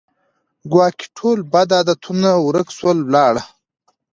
ګواکي ټول بد عادتونه ورک سول ولاړه